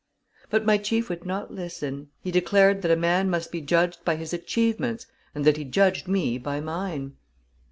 But my chief would not listen; he declared that a man must be judged by his achievements, and that he judged me by mine.